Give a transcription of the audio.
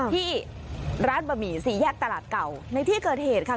ที่ร้านบะหมี่สี่แยกตลาดเก่าในที่เกิดเหตุค่ะ